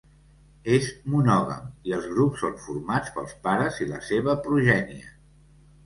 És monògam i els grups són formats pels pares i la seva progènie.